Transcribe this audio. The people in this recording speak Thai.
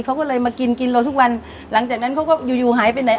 เขาก็เลยกินกันทุกวันหลังจากนั้นเขาก็อยู่หายไปไหน